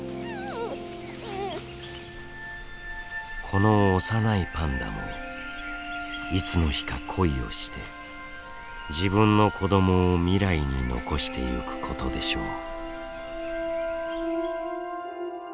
この幼いパンダもいつの日か恋をして自分の子どもを未来に残していくことでしょう。